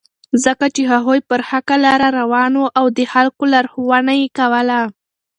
ځکه چې هغوی پر حقه لاره روان وو او د خلکو لارښوونه یې کوله.